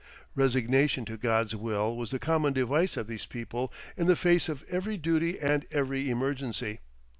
Resignation to God's will was the common device of these people in the face of every duty and every emergency.